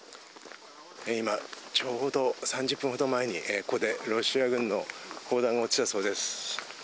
今、ちょうど３０分ほど前に、ここでロシア軍の砲弾が落ちたそうです。